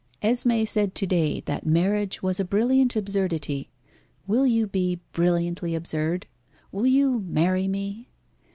Esmé said to day that marriage was a brilliant absurdity. Will you be brilliantly absurd? Will you marry me?"